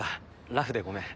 ラフでごめん。